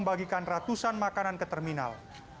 membagikan ratusan makanan ke terminal